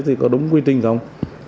thì có đúng quy trình không